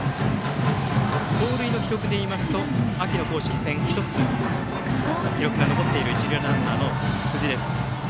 盗塁の記録でいいますと秋の公式戦で１つ記録が残っている一塁ランナーの辻。